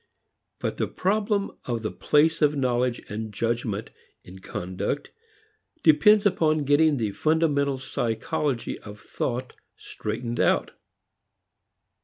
But the problem of the place of knowledge and judgment in conduct depends upon getting the fundamental psychology of thought straightened out.